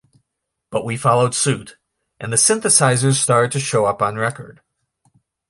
But we followed suit, and the synthesizers started to show up on record.